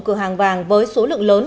cửa hàng vàng với số lượng lớn